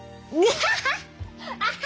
アハハハ！